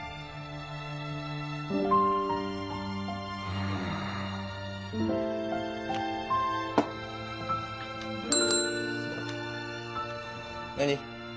うーん。何？